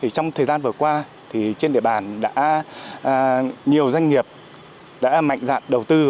trong thời gian vừa qua trên địa bàn đã nhiều doanh nghiệp đã mạnh dạn đầu tư